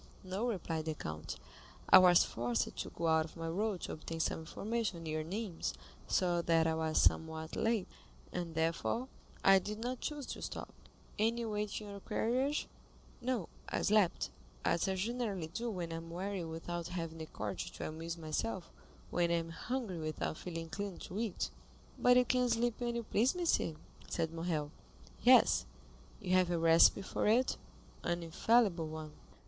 "No," replied the count; "I was forced to go out of my road to obtain some information near Nîmes, so that I was somewhat late, and therefore I did not choose to stop." "And you ate in your carriage?" asked Morcerf. "No, I slept, as I generally do when I am weary without having the courage to amuse myself, or when I am hungry without feeling inclined to eat." "But you can sleep when you please, monsieur?" said Morrel. "Yes." "You have a recipe for it?" "An infallible one."